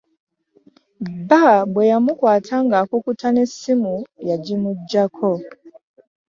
Bba bwe yamukwata nga akukuta n'essimu, yagimuggyako.